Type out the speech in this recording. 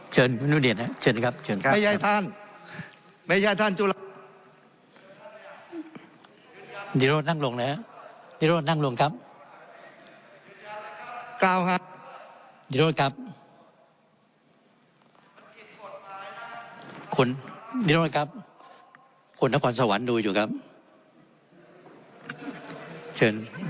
เชิญคุณอนุษฎิตครับเชิญครับเชิญครับ